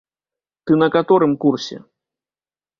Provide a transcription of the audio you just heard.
Ты на каторым курсе?